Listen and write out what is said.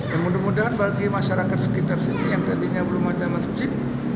yang mudah mudahan bagi masyarakat sekitar sini yang tadinya belum ada masjid